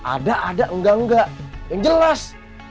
ada ada enggak enggak yang jelas